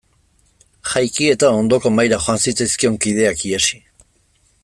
Jaiki eta ondoko mahaira joan zitzaizkion kideak ihesi.